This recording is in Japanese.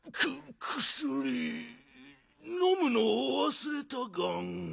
のむのをわすれたガン。